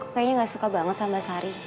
kayaknya nggak suka banget sama sari